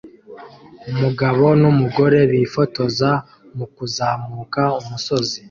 Umugabo numugore bifotoza mukuzamuka umusozi